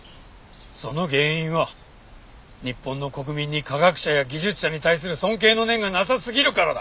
その原因は日本の国民に科学者や技術者に対する尊敬の念がなさすぎるからだ。